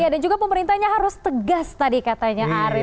dan juga pemerintahnya harus tegas tadi katanya aris